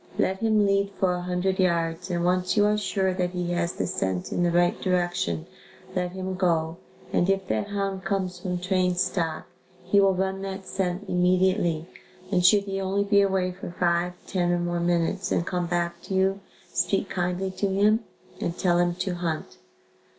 Let him lead for a hundred yards and once you are sure that he has the scent in the right direction, let him go and if that hound comes from trained stock, he will run that scent immediately and should he only be away for five, ten or more minutes and come back to you, speak kindly to him and tell him to hunt.